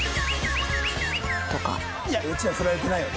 いやうちらフラれてないよね？